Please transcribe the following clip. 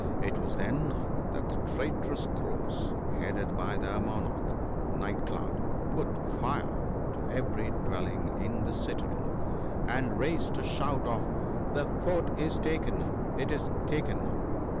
It was then that the traitorous Crows, headed by their monarch, Night cloud, put fire to every dwelling in the citadel, and raised a shout of " The Fort is taken ! it is taken